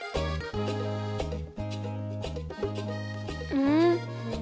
うん。